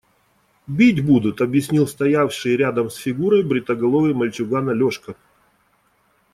Бить будут, – объяснил стоявший рядом с Фигурой бритоголовый мальчуган Алешка.